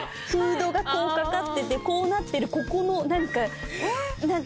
フードがこう掛かっててこうなってるここの何か。